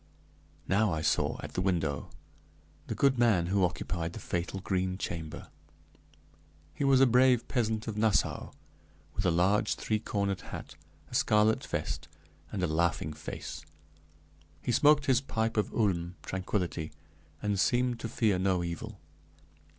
Now I saw, at the window, the good man who occupied the fatal Green Chamber; he was a brave peasant of Nassau, with a large three cornered hat, a scarlet vest, and a laughing face; he smoked his pipe of Ulm tranquillity, and seemed to fear no evil.